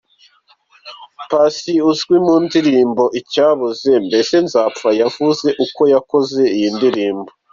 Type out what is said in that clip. Paccy uzwi mu ndirimbo Icyabuze, Mbese nzapfayavuze ko yakoze iyi ndirimbo.